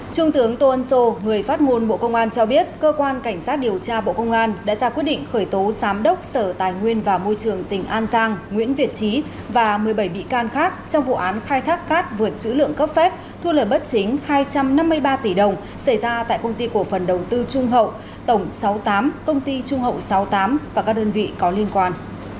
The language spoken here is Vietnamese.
trung tướng tô ân sô người phát ngôn bộ công an cho biết cơ quan cảnh sát điều tra bộ công an đã ra quyết định khởi tố giám đốc sở tài nguyên và môi trường tỉnh an giang nguyễn việt trí và một mươi bảy bị can khác trong vụ án khai thác cát vượt chữ lượng cấp phép thu lời bất chính hai trăm năm mươi ba tỷ đồng xảy ra tại công ty của phần đầu tư trung hậu tổng sáu mươi tám công ty trung hậu sáu mươi tám và các đơn vị có liên quan